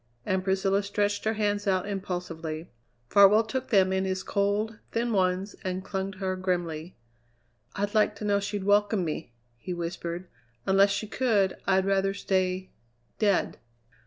And Priscilla stretched her hands out impulsively. Farwell took them in his cold, thin ones and clung to her grimly. "I'd like to know she'd welcome me!" he whispered. "Unless she could, I'd rather stay dead!"